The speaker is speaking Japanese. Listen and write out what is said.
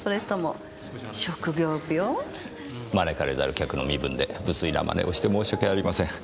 招かれざる客の身分で無粋な真似をして申しわけありません。